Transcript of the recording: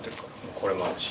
これもあるし。